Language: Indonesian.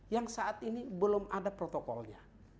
yang saat ini belum ada protokolnya